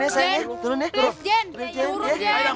jangan turun ya jen